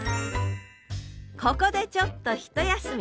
ここでちょっとひと休み！